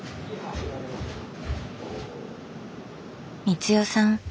光代さん